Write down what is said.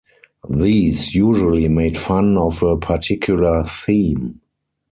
These usually made fun of a particular theme.